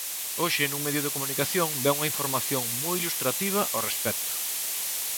Hoxe, nun medio de comunicación, vén unha información moi ilustrativa ao respecto.